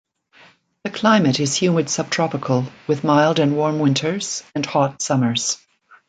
The climate is humid subtropical, with mild and warm winters and hot summers.